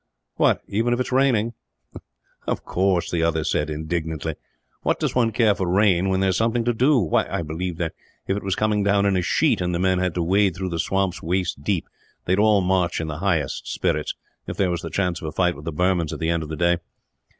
"What, even if it is raining?" "Of course," the other said, indignantly. "What does one care for rain, when there is something to do? Why, I believe that, if it was coming down in a sheet, and the men had to wade through the swamps waist deep, they would all march in the highest spirits, if there was the chance of a fight with the Burmans at the end of the day.